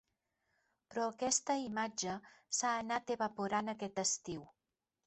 Però aquesta imatge s’ha anat evaporant aquest estiu.